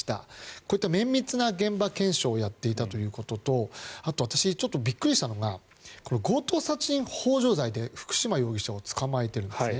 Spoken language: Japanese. こういった綿密な現場検証をやっていたということとあと、私ちょっとびっくりしたのが強盗殺人ほう助罪で福島容疑者を捕まえているんですね。